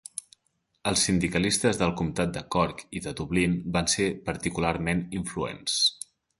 Els sindicalistes del comtat de Cork i de Dublín van ser particularment influents.